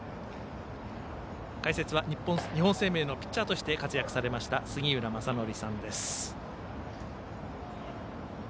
解説は日本生命のピッチャーとして活躍されました杉浦正則さんです。